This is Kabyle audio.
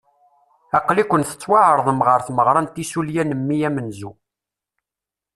Aql-iken tettwaɛerḍem ɣer tmeɣra n tissulya n mmi amenzu.